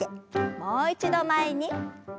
もう一度前に。